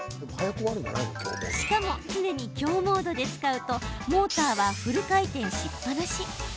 しかも、常に強モードで使うとモーターはフル回転しっぱなし。